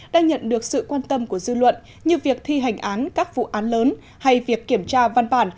đang nhận được sự quan tâm của dư luận như việc thi hành án các vụ án lớn hay việc kiểm tra văn bản